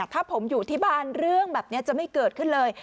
ถ้าผมอยู่ที่บ้านเรื่องแบบนี้จะไม่เกิดขึ้นเลย